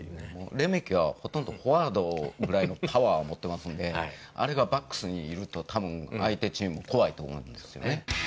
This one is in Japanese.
レメキはほとんどフォワードぐらいのパワーを持ってますんで、あれがバックスにいるとたぶん相手チーム怖いと思うんですよね。